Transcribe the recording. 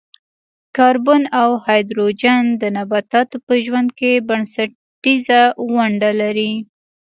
کاربن او هایدروجن د نباتاتو په ژوند کې بنسټیزه ونډه لري.